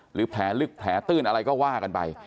หรือแผลลึกแผลตื้นอะไรก็ว่ากันไป